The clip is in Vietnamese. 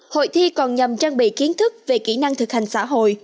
hội thi còn nhằm trang bị kiến thức về kỹ năng thực hành xã hội